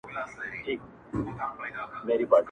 پیالې به نه وي شور به نه وي مست یاران به نه وي-